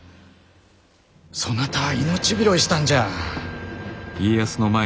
そなたは命拾いしたんじゃ。